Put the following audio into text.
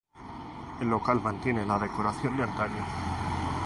El local mantiene la decoración de antaño.